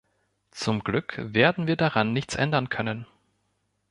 Zum Glück werden wir daran nichts ändern können.